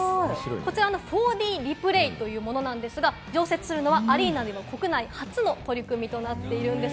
こちら４Ｄリプレーというものですが、常設するのはアリーナでは国内初の取り組みとなっているんです。